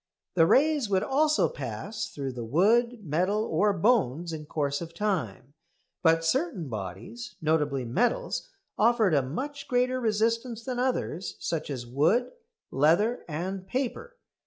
The rays would also pass through the wood, metal, or bones in course of time; but certain bodies, notably metals, offered a much greater resistance than others, such as wood, leather, and paper.